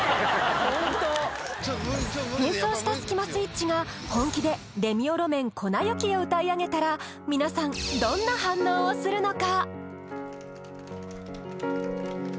ホント変装したスキマスイッチが本気でレミオロメン「粉雪」を歌い上げたら皆さんどんな反応をするのか？